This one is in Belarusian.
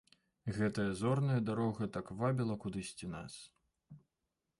Гэтая зорная дарога так вабіла кудысьці нас!